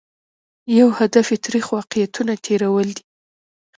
یو هدف یې ترخ واقعیتونه تېرول دي.